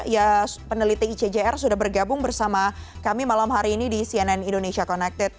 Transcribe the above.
ya peneliti icjr sudah bergabung bersama kami malam hari ini di cnn indonesia connected